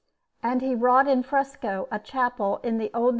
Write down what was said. And he wrought in fresco a chapel in the old S.